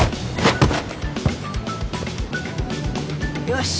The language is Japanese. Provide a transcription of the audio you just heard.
よし！